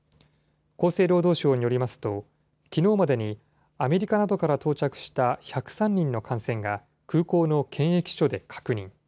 厚生労働省によりますと、きのうまでにアメリカなどから到着した１０３人の感染が、空港の検疫所で確認。